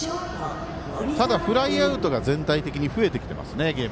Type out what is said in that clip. ただ、フライアウトが全体的に増えてきますね。